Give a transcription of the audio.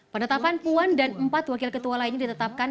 penetapan puan dan empat wakil ketua lainnya ditetapkan